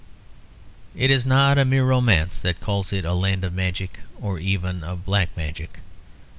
It is not a mere romance that calls it a land of magic, or even of black magic.